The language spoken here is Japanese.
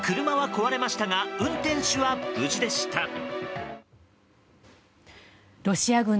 車は壊れましたが運転手は無事でした。